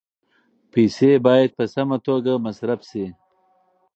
پیسې باید په سمه توګه مصرف شي.